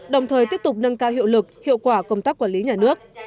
đồng thời tiếp tục nâng cao hiệu lực hiệu quả công tác quản lý nhà nước